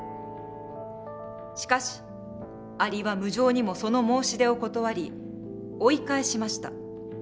しかしアリは無情にもその申し出を断り追い返しました。